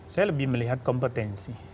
saya lebih melihat kompetensi